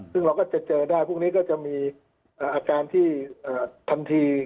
ซึ่งเราก็จะเจอได้พรุ่งนี้ก็จะมีอาการที่ทันที